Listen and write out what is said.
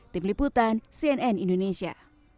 tim liputan cnn indonesia